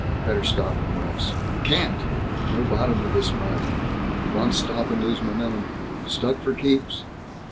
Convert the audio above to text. Better stop and rest." "Can't! No bottom to this mud. Once stop and lose momentum stuck for keeps!"